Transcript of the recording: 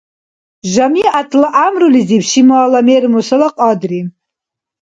Жамигӏятла гӏямрулизиб шимала мер-мусала кьадри